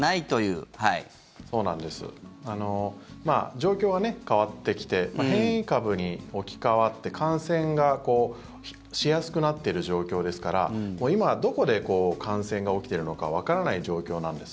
状況は変わってきて変異株に置き換わって感染がしやすくなってる状況ですから今はどこで感染が起きているのかわからない状況なんです。